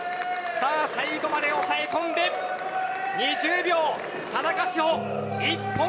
最後まで抑え込んで２０秒田中志歩